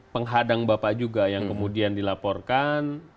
penghadang bapak juga yang kemudian dilaporkan